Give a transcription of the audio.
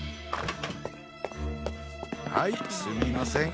はいすみません。